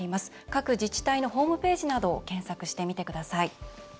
各自治体のホームページなどを検索してみてください。